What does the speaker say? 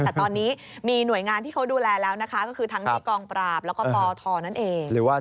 แต่ตอนนี้มีหน่วยงานที่เขาดูแลแล้วนะคะก็คือทั้งที่กองปราบแล้วก็ปทนั่นเอง